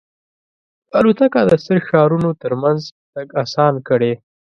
الوتکه د ستر ښارونو ترمنځ تګ آسان کړی.